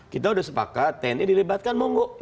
kita udah sepakat tni dilibatkan monggo